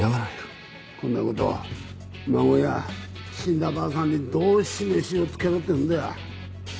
こんな事孫や死んだばあさんにどう示しをつけろっていうんだ。